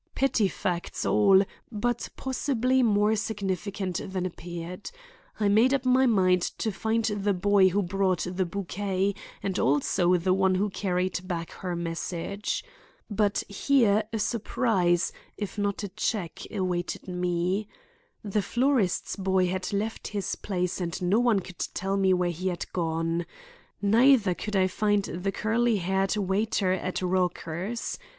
Petty facts, all, but possibly more significant than appeared. I made up my mind to find the boy who brought the bouquet and also the one who carried back her message. But here a surprise, if not a check, awaited me. The florist's boy had left his place and no one could tell where he had gone. Neither could I find the curly haired waiter at Raucher's.